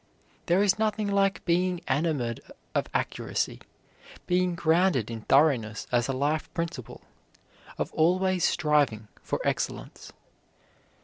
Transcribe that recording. There is nothing like being enamored of accuracy, being grounded in thoroughness as a life principle, of always striving for excellence.